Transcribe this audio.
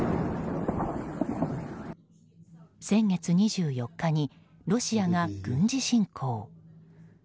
先月２４日にロシアが軍事侵攻。